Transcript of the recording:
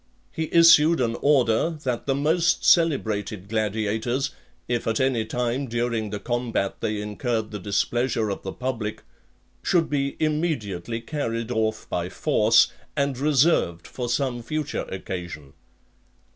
He issued an order, that the most celebrated gladiators, if at any time during the combat they incurred the displeasure of the public, should be immediately carried off by force, and reserved for some future occasion.